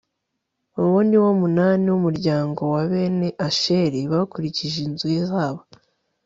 uwo ni wo munani w'umuryango wa bene asheri bakurikije inzu zabo